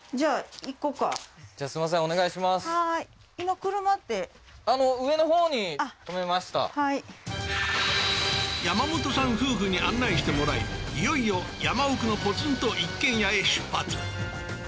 じゃあ山本さん夫婦に案内してもらいいよいよ山奥のポツンと一軒家へ出発